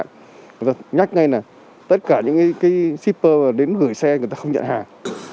người ta nhắc ngay là tất cả những cái shipper đến gửi xe người ta không nhận hàng